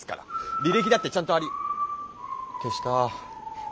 履歴だってちゃんとあり消した。